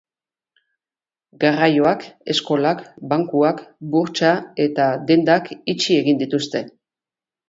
Garraioak, eskolak, bankuak, burtsa eta dendak itxi egin dituzte.